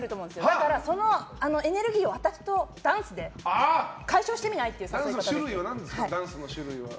だからそのエネルギーを私とダンスで解消してみない？ってく作戦です。